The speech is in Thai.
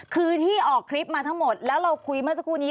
คือที่ออกคลิปมาทั้งหมดแล้วเราคุยเมื่อสักครู่นี้